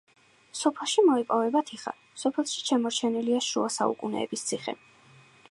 სოფელში მოიპოვება თიხა, სოფელში შემორჩენილია შუა საუკუნეების ციხე.